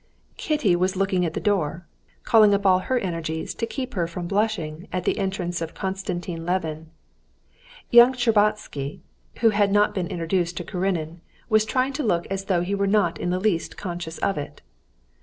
Kitty was looking at the door, calling up all her energies to keep her from blushing at the entrance of Konstantin Levin. Young Shtcherbatsky, who had not been introduced to Karenin, was trying to look as though he were not in the least conscious of it.